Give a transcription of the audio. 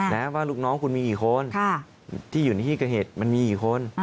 ว่าลูกน้องคุณมีกี่คนที่อยู่ในที่เกิดเหตุมันมีกี่คน